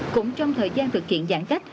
cũng trong thời gian thực hiện giãn cách